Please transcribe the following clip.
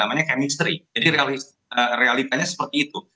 namanya chemistry jadi realitanya seperti itu